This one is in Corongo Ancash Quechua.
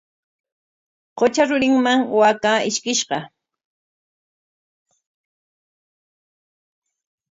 Qutra rurinman waakaa ishkishqa.